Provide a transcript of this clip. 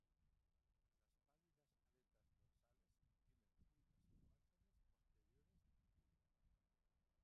Las pálidas aletas dorsales tienen puntas y márgenes posteriores oscuros.